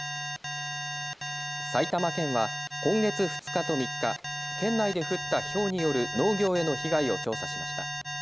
埼玉県は今月２日と３日、県内で降ったひょうによる農業への被害を調査しました。